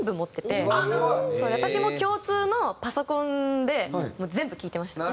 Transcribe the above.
私も共通のパソコンでもう全部聴いてました。